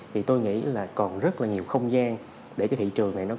thì tôi nghĩ là còn rất là nhiều không gian để cái thị trường này nó còn sống